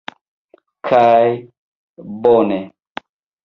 Kaj... bone!